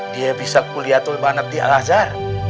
dia bisa kuliah tulpanet di al azhar